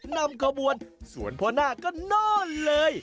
นำขบวนส่วนพ่อหน้าก็นอนเลย